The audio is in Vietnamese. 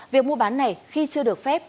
việc mua bán này khi chưa được phép